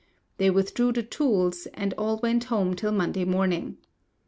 They withdrew the tools, and all went home till Monday morning.